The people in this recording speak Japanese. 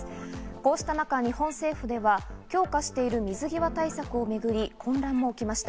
こうした中、日本政府では強化している水際対策をめぐり混乱も起きました。